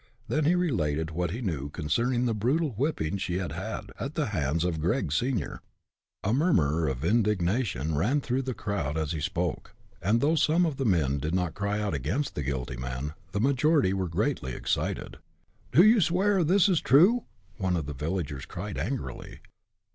Then he related what he knew concerning the brutal whipping she had had, at the hands of Gregg senior. A murmur of indignation ran through the crowd as he spoke, and though some of the men did not cry out against the guilty man, the majority were greatly excited. "Do you swear this is true?" one of the villagers cried, angrily.